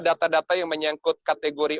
data data yang menyangkut kategori